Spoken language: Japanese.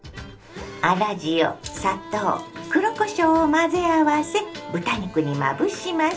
粗塩砂糖黒こしょうを混ぜ合わせ豚肉にまぶします。